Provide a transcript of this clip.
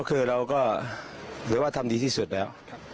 คือเราก็ถือว่าทำดีที่สุดแล้ว